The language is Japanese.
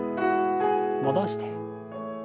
戻して。